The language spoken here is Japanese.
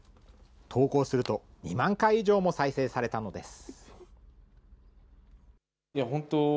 投稿すると、２万回以上も再生されたのです。